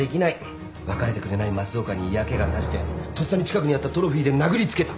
別れてくれない増岡に嫌気が差してとっさに近くにあったトロフィーで殴りつけた。